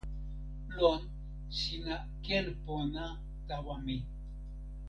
lon, sina ken pona tawa mi!